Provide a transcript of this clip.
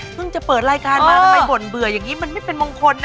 จะเปิดรายการมาทำไมบ่นเบื่ออย่างนี้มันไม่เป็นมงคล